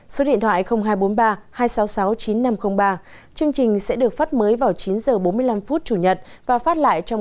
số điện thoại hai trăm bốn mươi ba hai trăm sáu mươi sáu chín nghìn năm trăm linh ba chương trình sẽ được phát mới vào chín h bốn mươi năm phút chủ nhật và phát lại trong